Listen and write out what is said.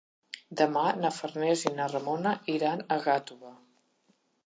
Demà na Farners i na Ramona iran a Gàtova.